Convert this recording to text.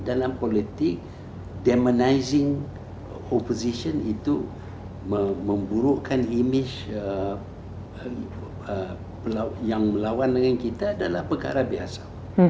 dalam politik demonizing oposition itu memburukkan image yang melawan dengan kita adalah perkara biasa